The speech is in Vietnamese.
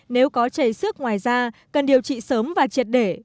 nếu có chảy xước ngoài da cần điều trị sớm và triệt để